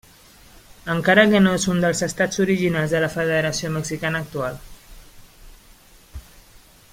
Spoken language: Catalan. Encara que no és un dels estats originals de la federació mexicana actual.